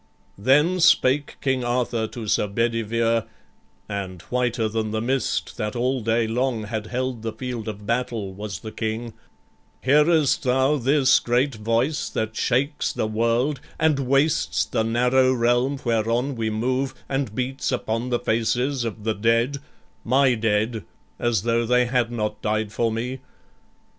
Then spake King Arthur to Sir Bedivere, And whiter than the mist that all day long Had held the field of battle was the King: "Hearest thou this great voice that shakes the world And wastes the narrow realm whereon we move, And beats upon the faces of the dead, My dead, as tho' they had not died for me?